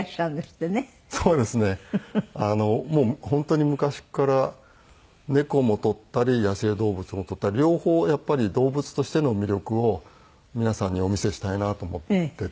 本当に昔から猫も撮ったり野生動物も撮ったり両方やっぱり動物としての魅力を皆さんにお見せしたいなと思って。